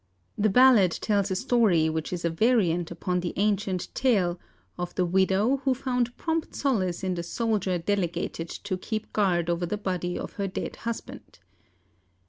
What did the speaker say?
The ballad tells a story which is a variant upon the ancient tale of the widow who found prompt solace in the soldier delegated to keep guard over the body of her dead husband.